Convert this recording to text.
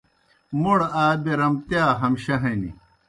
موْڑ آ بیرامتِیا ہمشہ ہنیْ۔